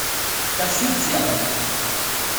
Das sind sie aber nicht.